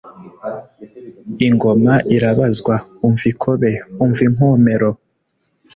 Ingoma irabazwa. Umva ikobe. Umva inkomero!